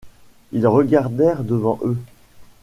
Ils regardèrent devant eux...